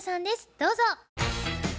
どうぞ。